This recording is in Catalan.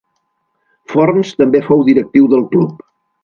Forns també fou directiu del club.